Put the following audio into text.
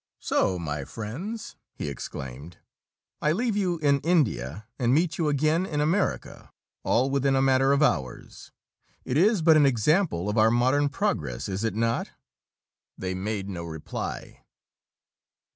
"So, my friends!" he exclaimed. "I leave you in India, and meet you again in America, all within a matter of hours. It is but an example of our modern progress, is it not?" They made no reply.